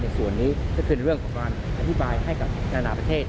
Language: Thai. ส่วนนี้ก็คือในเรื่องของการอธิบายให้กับนานาประเทศ